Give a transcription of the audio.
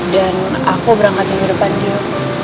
dan aku berangkat yang ke depannya